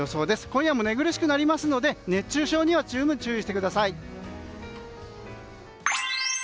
今夜も寝苦しくなりますので熱中症には十分注意してください。